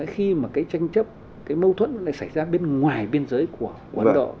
khi mà cái tranh chấp cái mâu thuẫn lại xảy ra bên ngoài biên giới của ấn độ